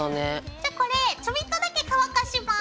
じゃあこれちょびっとだけ乾かします。